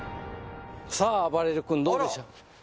さああばれる君どうでしょう？